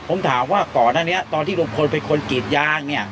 ผมถามว่าก่อนอันนี้ตอนที่ลุงพลเป็นคนกรีดยางเนี่ย